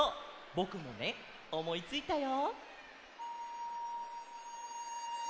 ぼくもねおもいついたよ。